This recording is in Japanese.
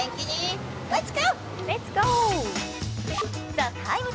「ＴＨＥＴＩＭＥ，」